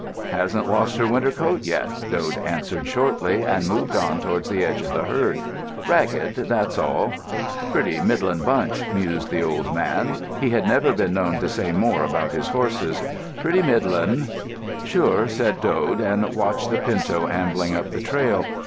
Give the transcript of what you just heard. "Hasn't lost her winter coat yet," Dode answered shortly, and moved on towards the edge of the herd. "Ragged, that's all." "Pretty middlin' bunch," mused the old man. He had never been known to say more about his horses. "Pretty middlin'." "Sure," said Dode, and watched the pinto ambling up the trail.